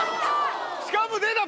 しかも出た！